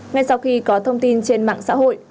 ngay sau khi có thông tin trên mạng xã hội